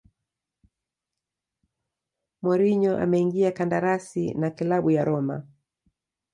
mourinho ameingia kandarasi na klabu ya roma